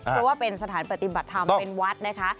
เพราะว่าเป็นสถานปฏิบัติธรรมเป็นวัดนะคะ